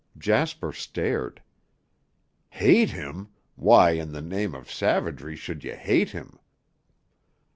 Jasper stared. "Hate him! Why, in the name of savagery, should you hate him?"